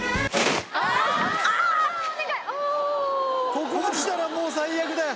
ここ落ちたら最悪だよ。